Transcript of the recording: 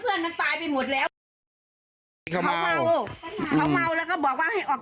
เจ้านี่จะไปสุร่าก่อน